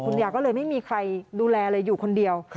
ยาก็เลยไม่มีใครดูแลเลยอยู่คนเดียว